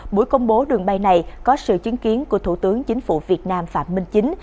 buổi công bố đường bay này có sự chứng kiến của thủ tướng chính phủ việt nam phạm minh chính